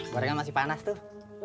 bolengnya masih panas tuh